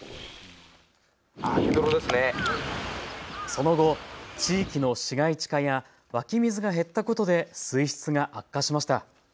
その後、地域の市街地化や湧き水が減ったことで水質が悪化しました。